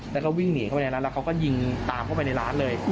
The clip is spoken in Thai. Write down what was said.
แล้วก็วิ่งหนีเข้าไปในร้านแล้วเขาก็ยิงตามเข้าไปในร้านเลย